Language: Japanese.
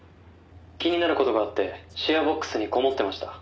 「気になる事があってシェアボックスにこもってました」